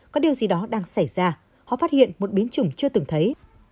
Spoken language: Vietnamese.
có điều gì đó đang xảy ra họ phát hiện một biến chủng chưa từng thấy